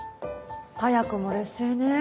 早くも劣勢ね。